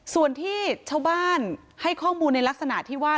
ส่วนที่ชาวบ้านให้ข้อมูลในลักษณะที่ว่า